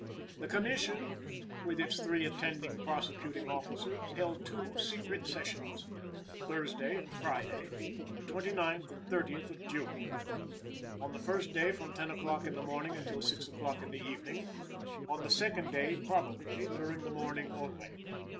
The Commission, with its three attending prosecuting officers, held two secret sessions Thursday and Friday, the 29th and 30th of June; on the first day from 10 o'clock in the morning until 6 o'clock in the evening, on the second day, probably, during the morning only.